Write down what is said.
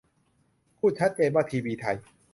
พูดชัดเจน ว่าทีวีไทย